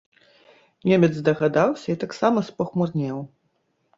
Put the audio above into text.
Немец здагадаўся і таксама спахмурнеў.